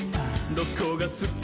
どこがすき？」